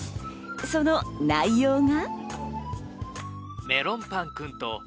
その内容が。